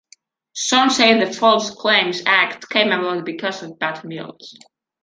Some say the False Claims Act came about because of bad mules.